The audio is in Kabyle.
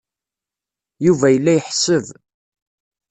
Yuba yella iḥesseb.